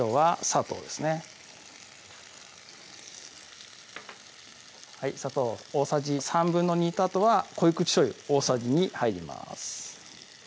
砂糖大さじ２／３とあとは濃い口しょうゆ大さじ２入ります